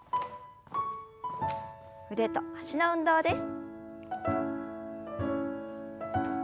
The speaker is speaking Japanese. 腕と脚の運動です。